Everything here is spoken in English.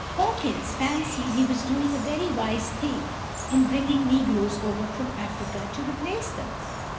Hawkins fancied he was doing a very wise thing in bringing negroes over from Africa to replace them.